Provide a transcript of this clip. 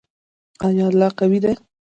آیا الله قوی دی؟